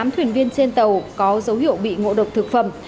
một mươi tám thuyền viên trên tàu có dấu hiệu bị ngộ độc thực phẩm